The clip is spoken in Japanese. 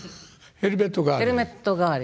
ヘルメット代わり。